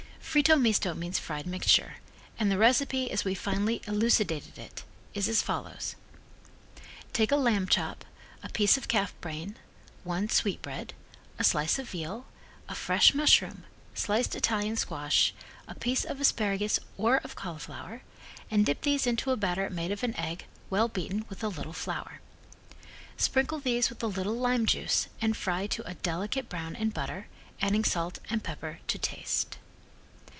"Fritto Misto" means fried mixture, and the recipe as we finally elucidated it is as follows: Take a lamb chop, a piece of calf brain, one sweetbread, a slice of veal, a fresh mushroom, sliced Italian squash, a piece of asparagus or of cauliflower and dip these into a batter made of an egg well beaten with a little flour. Sprinkle these with a little lime juice and fry to a delicate brown in butter, adding salt and pepper to taste.